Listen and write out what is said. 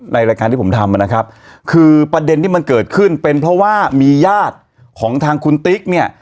รายการที่ผมทำนะครับคือประเด็นที่มันเกิดขึ้นเป็นเพราะว่ามีญาติของทางคุณติ๊กเนี่ย